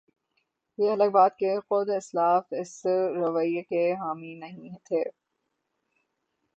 یہ الگ بات کہ خود اسلاف اس رویے کے حامی نہیں تھے۔